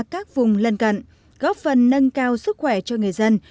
các vùng lân cận góp phần nâng cao sức khỏe cho người dân